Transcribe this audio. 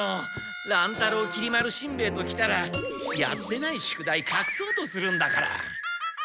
乱太郎きり丸しんべヱときたらやってない宿題かくそうとするんだから。